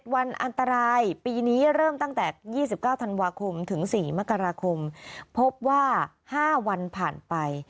วันอันตรายปีนี้เริ่มตั้งแต่๒๙ธันวาคมถึง๔มกราคมพบว่า๕วันผ่านไป